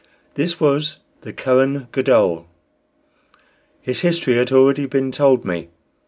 This was the Kohen Gadol. His history had already been told me.